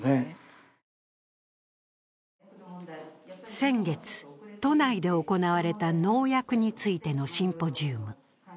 先月、都内で行われた農薬についてのシンポジウム。